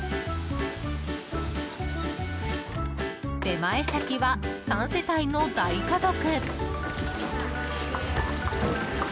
出前先は３世帯の大家族。